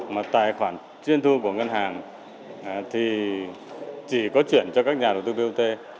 mà tài khoản chuyên thu của ngân hàng thì chỉ có chuyển cho các nhà đầu tư bot